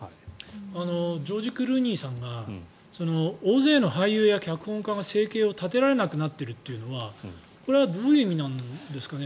ジョージ・クルーニーさんが大勢の俳優や脚本家が生計を立てられなくなっているっていうのはこれはどういう意味なんですかね。